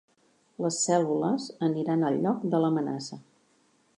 Les cèl·lules aniran al lloc de l'amenaça.